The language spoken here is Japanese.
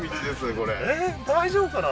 これええー大丈夫かな？